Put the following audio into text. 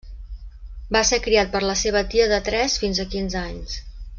Va ser criat per la seva tia de tres fins a quinze anys.